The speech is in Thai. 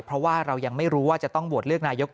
เพราะว่าเรายังไม่รู้ว่าจะต้องโหวตเลือกนายก